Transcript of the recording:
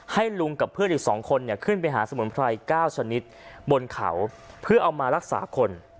ให้ลุงกับเพื่อนอีก๒คนขึ้นไปหาสมุนไพร๙ชนิดบนเขาเพื่อเอามารักษาคน